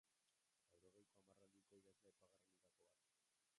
Laurogeiko hamarraldiko idazle aipagarrienetako bat.